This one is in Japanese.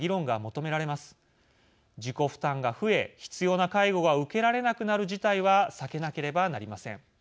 自己負担が増え必要な介護が受けられなくなる事態は避けなければなりません。